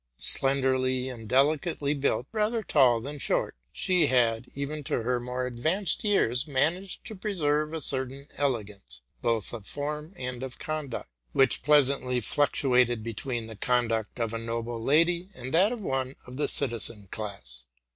Slenderly and deli cately built, rather tall than short, she had, even to her more advanced years, managed to preserve a certain elegance, both of form and of conduct, which pleasantly fluctuated between the conduct of a noble lady and that of one of the citizen class.